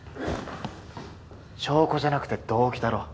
証拠じゃなくて動機だろ？